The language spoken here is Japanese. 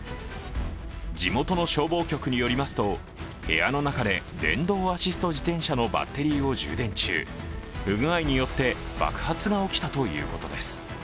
地元の消防局によりますと部屋の中で電動アシスト自転車のバッテリーを充電中、不具合によって爆発が起きたということです。